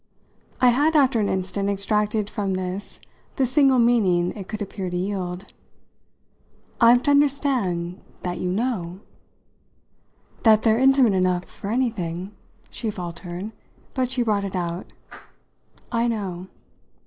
I had after an instant extracted from this the single meaning it could appear to yield. "I'm to understand that you know?" "That they're intimate enough for anything?" She faltered, but she brought it out. "I know."